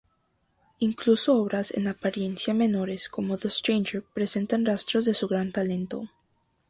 Incluso obras en apariencia menores, como "The Stranger", presentan rastros de su gran talento.